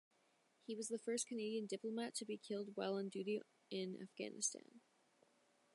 He was the first Canadian diplomat to be killed while on duty in Afghanistan.